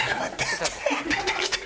出てきてる！